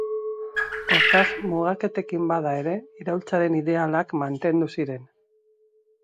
Hortaz, mugaketekin bada ere, iraultzaren ideialak mantendu ziren.